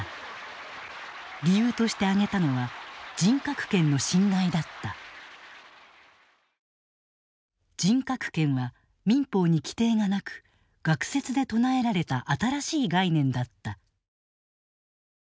理由として挙げたのは人格権は民法に規定がなく学説で唱えられた新しい概念だった。